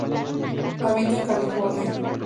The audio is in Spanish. Habita en California.